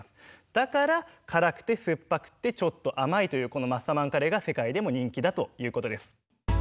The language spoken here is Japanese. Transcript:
だから辛くて酸っぱくてちょっと甘いというこのマッサマンカレーが世界でも人気だということです。